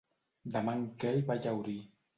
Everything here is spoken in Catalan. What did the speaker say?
Demà en Quel va a Llaurí.